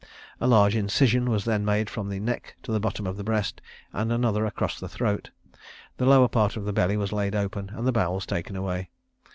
A large incision was then made from the neck to the bottom of the breast, and another across the throat; the lower part of the belly was laid open, and the bowels taken away.